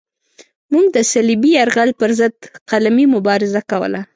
موږ د صلیبي یرغل پرضد قلمي مبارزه کوله.